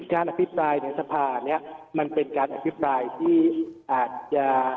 การอธิบายเนื้อสภาเนี่ยมันเป็นการอธิบายที่อาจจะ